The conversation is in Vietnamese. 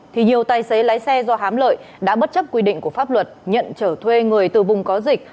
thì nhiều tài xế lái xe do hám lợi đã bất chấp quy định của pháp luật nhận trở thuê người từ vùng có dịch